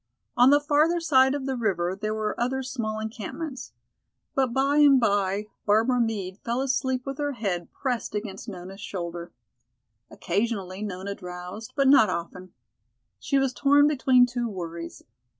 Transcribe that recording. On the farther side of the river there were other small encampments. But by and by Barbara Meade fell asleep with her head pressed against Nona's shoulder. Occasionally Nona drowsed, but not often. She was torn between two worries.